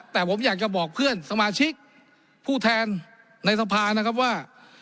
แต่ผมอยากจะบอกเพื่อนสมาชิกผู้แทนในสภานะครับว่า